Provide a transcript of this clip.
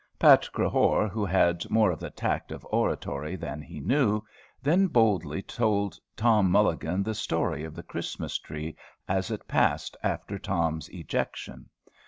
Pat Crehore, who had more of the tact of oratory than he knew, then boldly told Tom Mulligan the story of the Christmas tree, as it passed after Tom's ejection.